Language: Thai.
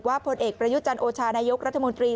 ว่าผลเอกประยุทธ์จันโอชานายกรัฐมนตรี